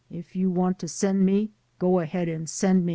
If you want to send me, go ahead and send me."